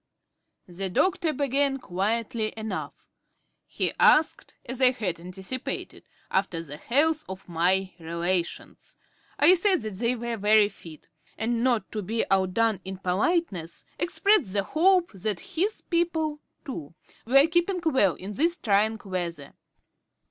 The doctor began quietly enough. He asked, as I had anticipated, after the health of my relations. I said that they were very fit; and not to be outdone in politeness, expressed the hope that his people, too, were keeping well in this trying weather.